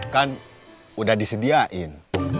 kan udah disediain